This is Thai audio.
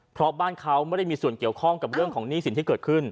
เพราะบ้านเขาไม่ได้มีส่วนเกี่ยวข้องกับเรื่องของหนี้สินที่เกิดขึ้น